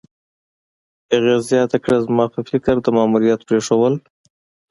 هغې زیاته کړه: "زما په فکر، د ماموریت پرېښودل